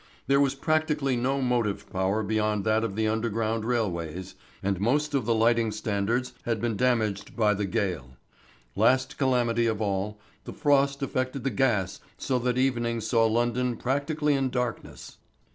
There was practically no motive power beyond that of the underground railways, and most of the lighting standards had been damaged by the gale; last calamity of all, the frost affected the gas so that evening saw London practically in darkness.